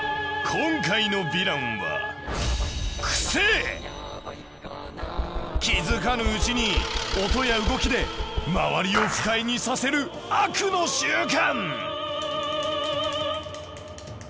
今回のヴィランは気付かぬうちに音や動きで周りを不快にさせる悪の習慣。